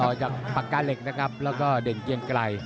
ออกจากปากกาเหล็กนะครับแล้วก็เด่นเกียงไกร